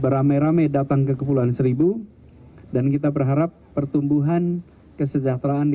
ia rame rame datang ke kepulauan seribu dan kita berharap pertumbuhan kesejahteraan di